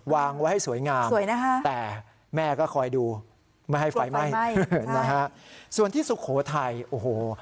วางไว้ให้สวยงามแต่แม่ก็คอยดูไม่ให้ไฟไหม้นะฮะส่วนที่สุโขทัยโอ้โห